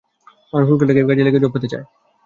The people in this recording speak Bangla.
মানুষ উল্কাটাকে কাজে লাগিয়ে জব পেতে চায়।